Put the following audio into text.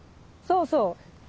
そうそう。